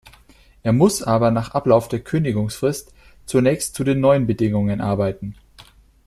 Er muss aber nach Ablauf der Kündigungsfrist zunächst zu den neuen Bedingungen arbeiten.